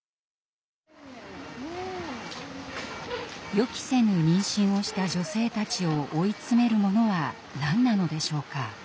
予期せぬ妊娠をした女性たちを追い詰めるものは何なのでしょうか。